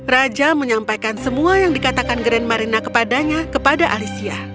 raja menyampaikan semua yang dikatakan grand marina kepadanya kepada alicia